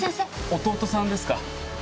弟さんですか？